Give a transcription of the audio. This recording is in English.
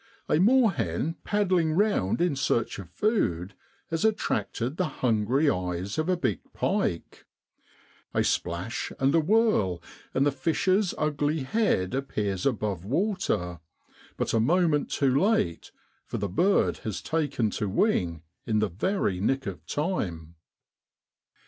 A moorhen paddling round in search of food has attracted the hungry eyes of a big pike. A splash and a whirl ! and the fish's ugly head appears above water, but a moment too late, for the bird has taken to wing in the very nick of time.